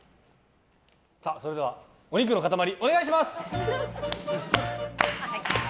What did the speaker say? それではお肉の塊お願いします！